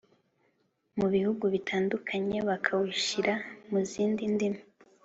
mu bihugu bitandukanye bakawushyira mu zindi ndimi